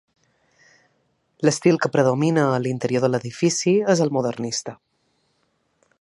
L'estil que predomina a l'interior de l'edifici és el modernista.